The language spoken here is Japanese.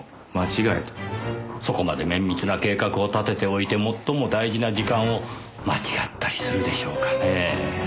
そこまで綿密な計画を立てておいて最も大事な時間を間違ったりするでしょうかねえ。